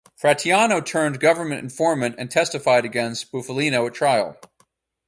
Fratianno turned government informant and testified against Bufalino at trial.